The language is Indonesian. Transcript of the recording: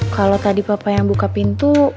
kalau tadi papa yang buka pintu